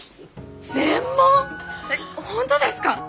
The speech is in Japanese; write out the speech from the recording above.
えっ本当ですか？